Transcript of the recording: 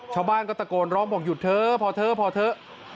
ชาวบ้านก็ตะโกนร้องบอกหยุดเถอะพอเถอะพอเถอะ